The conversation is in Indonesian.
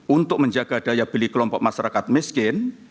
untuk menjaga daya beli kelompok masyarakat miskin